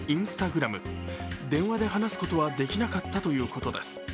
電話で話すことはできなかったということです。